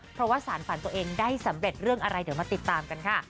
เพราะว่าสารฝันตัวเองได้สำเร็จเรื่องอะไรเดี๋ยวมาติดตามกันค่ะ